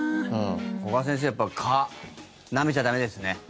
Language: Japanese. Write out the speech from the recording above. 五箇先生、やっぱり蚊なめちゃ駄目ですね。